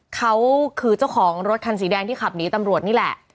เขาคือเจ้าของรถคันสีแดงที่ขับหนีตำรวจนี่แหละ